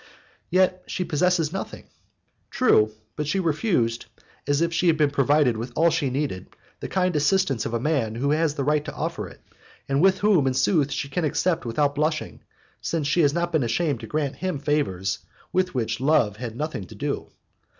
Yet she possesses nothing. True, but she refused, as if she had been provided with all she needed, the kind assistance of a man who has the right to offer it, and from whom, in sooth, she can accept without blushing, since she has not been ashamed to grant him favours with which love had nothing to do.